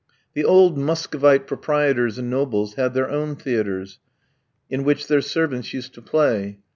The old Muscovite proprietors and nobles had their own theatres, in which their servants used to play.